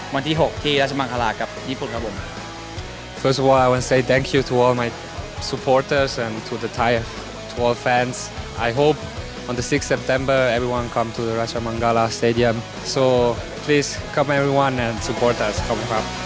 วันที่๖ที่ราชมังคลากับญี่ปุ่นครับผม